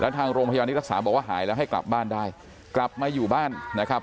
ทางโรงพยาบาลที่รักษาบอกว่าหายแล้วให้กลับบ้านได้กลับมาอยู่บ้านนะครับ